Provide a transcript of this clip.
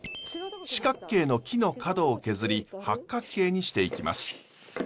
四角形の木の角を削り八角形にしていきます。